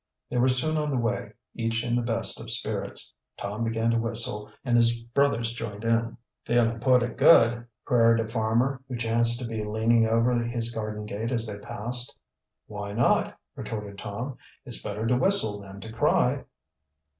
They were soon on the way, each in the best of spirits. Tom began to whistle and his brothers joined in. "Feelin' putty good," queried a farmer, who chanced to be leaning over his garden gate as they passed. "Why not?" retorted Tom. "It's better to whistle than to cry."